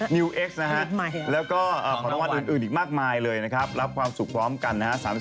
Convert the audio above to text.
นิวเอ็กซ์นะฮะแล้วก็ของรางวัลอื่นอีกมากมายเลยนะครับรับความสุขพร้อมกันนะฮะ